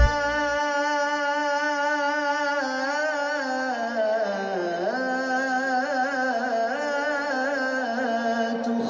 nih makan dulu nih